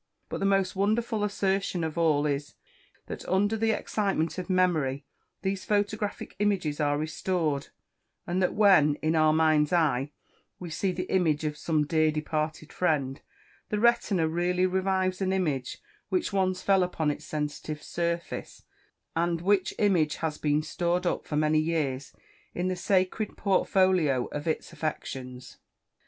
But the most wonderful assertion of all is, that under the excitement of memory these photographic images are restored; and that when, "in our mind's eye," we see the image of some dear departed friend, the retina really revives an image which once fell upon its sensitive surface, and which image has been stored up for many years in the sacred portfolio of its affections!